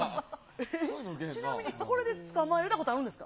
えー、ちなみに、これで捕まえたことあるんですか？